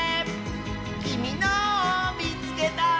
「きみのをみつけた！」